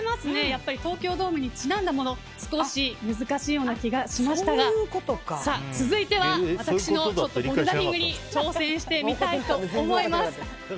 やっぱり東京ドームにちなんだもの少し難しいような気がしましたが続いては私のボルダリングに挑戦してみたいと思います。